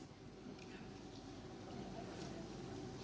dari yang mana